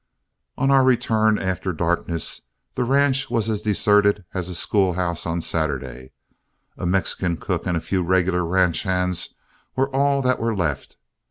On our return after darkness, the ranch was as deserted as a school house on Saturday. A Mexican cook and a few regular ranch hands were all that were left.